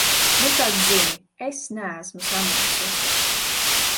Nu tad zini: es neesmu samulsusi.